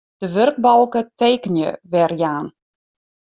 De wurkbalke Tekenje werjaan.